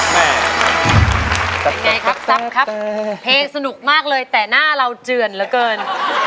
แม่เป็นไงครับซ้ำครับเพลงสนุกมากเลยแต่หน้าเราเจือนเหลือเกิน